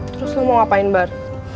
terus lo mau ngapain bar